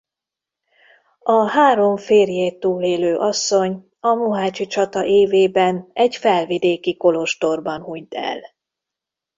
A három férjét túlélő asszony a mohácsi csata évében egy felvidéki kolostorban hunyt el.